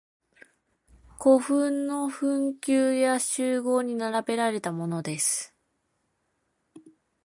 古墳の墳丘や周濠に並べられたものです。